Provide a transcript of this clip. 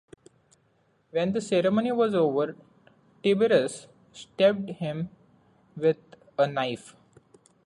When the ceremony was over Tiberius stabbed him with a knife.